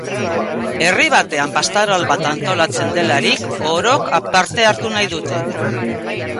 Herri batean pastoral bat antolatzen delarik, orok parte hartu nahi dute.